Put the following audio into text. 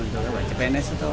untuk cpns atau